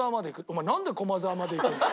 「お前なんで駒沢まで行くんだ？」